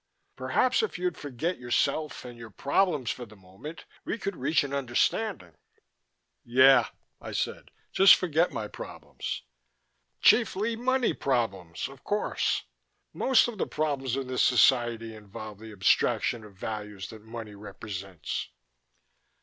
Perhaps if you'd forget yourself and your problems for the moment, we could reach an understanding " "Yeah," I said. "Just forget my problems...." "Chiefly money problems, of course. Most of the problems of this society involve the abstraction of values that money represents."